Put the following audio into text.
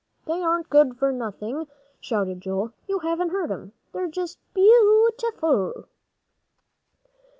"They aren't good for nothing," shouted Joel. "You haven't heard 'em; they're just beautiful!"